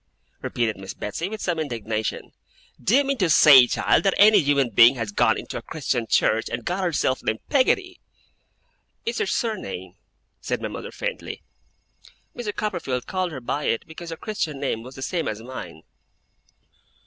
repeated Miss Betsey, with some indignation. 'Do you mean to say, child, that any human being has gone into a Christian church, and got herself named Peggotty?' 'It's her surname,' said my mother, faintly. 'Mr. Copperfield called her by it, because her Christian name was the same as mine.